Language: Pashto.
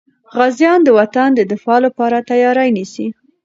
غازیان د وطن د دفاع لپاره تیاري نیسي.